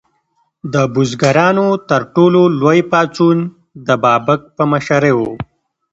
د بزګرانو تر ټولو لوی پاڅون د بابک په مشرۍ و.